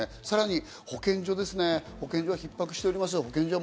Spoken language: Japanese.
さらに保健所ですね、逼迫しております。